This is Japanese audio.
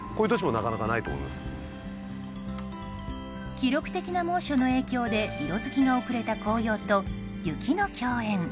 記録的な猛暑の影響で色づきが遅れた紅葉と雪の共演。